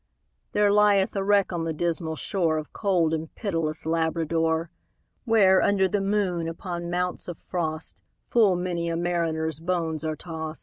There lieth a wreck on the dismal shore Of cold and pitiless Labrador; Where, under the moon, upon mounts of frost, Full many a mariner's bones are tost.